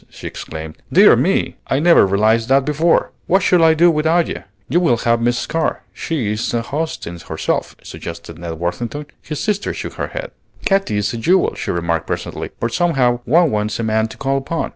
she exclaimed. "Dear me! I never realized that before. What shall I do without you?" "You will have Miss Carr. She is a host in herself," suggested Ned Worthington. His sister shook her head. "Katy is a jewel," she remarked presently; "but somehow one wants a man to call upon.